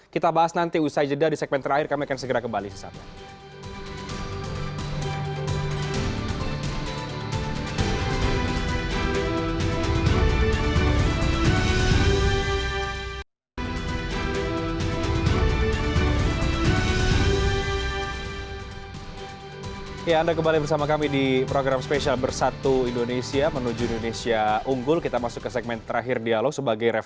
kita bahas nanti usai jeddah di segmen terakhir